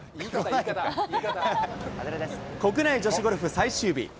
国内女子ゴルフ最終日。